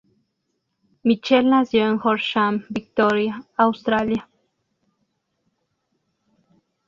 Mitchell nació en Horsham, Victoria, Australia.